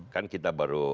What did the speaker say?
kan kita baru